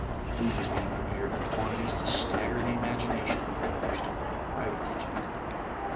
Food was being prepared in quantities to stagger the imagi nation of one used only to private kitchens.